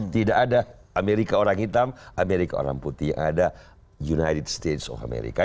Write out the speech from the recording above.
tidak ada amerika orang hitam amerika orang putih ada united stage of america